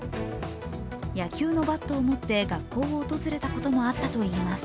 野球のバットを持って学校を訪れたこともあったといいます。